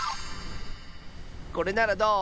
これならどう？